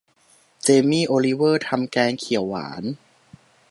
เจมี่ โอลิเวอร์ทำแกงเขียวหวาน